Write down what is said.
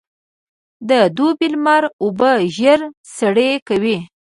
د دوبي لمر اوبه ژر سرې کوي.